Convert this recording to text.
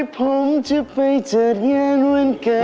ผมจะไปจัดงานวันเกิด